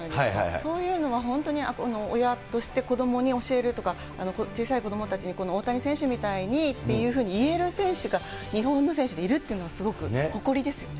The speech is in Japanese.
そういうのは本当に親として子どもに教えるとか、小さい子どもたちに、この大谷選手みたいにっていうふうに言える選手が、日本の選手でいるっていうのはすごく誇りですよね。